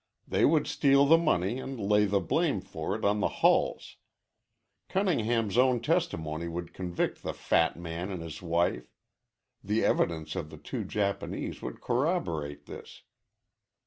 They would steal the money and lay the blame for it on the Hulls. Cunningham's own testimony would convict the fat man and his wife. The evidence of the two Japanese would corroborate his.